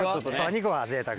２個はぜいたく。